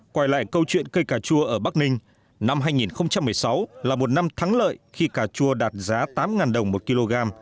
quay lại câu chuyện cây cà chua ở bắc ninh năm hai nghìn một mươi sáu là một năm thắng lợi khi cà chua đạt giá tám đồng một kg